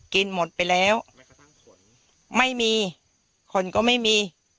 กินหมดไปแล้วไม่มีคนก็ไม่มี